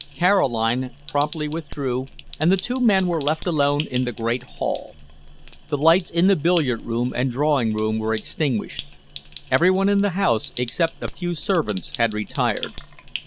Caroline promptly withdrew, and the two men were left alone in the great hall. The lights in the billiard room and drawing room were extinguished. Every one in the house except a few servants had retired.